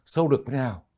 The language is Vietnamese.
sâu được thế nào